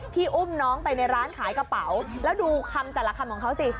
อุ้มน้องไปในร้านขายกระเป๋าแล้วดูคำแต่ละคำของเขาสิ